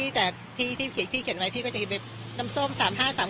มีค่ะมีที่ที่แต่ที่ที่เขียนไว้พี่ก็จะเขียนแบบน้ำโซ่มสามห้าสาม